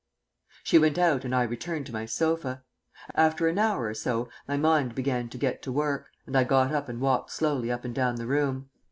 She went out and I returned to my sofa. After an hour or so my mind began to get to work, and I got up and walked slowly up and down the room.